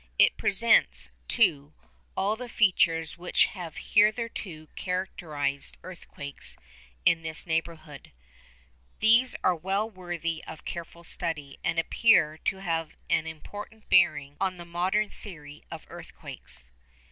It presents, too, all the features which have hitherto characterised earthquakes in this neighbourhood. These are well worthy of careful study, and appear to have an important bearing on the modern theory of earthquakes.